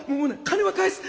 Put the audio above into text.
金は返す！